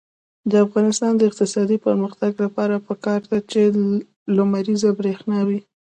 د افغانستان د اقتصادي پرمختګ لپاره پکار ده چې لمریزه برښنا وي.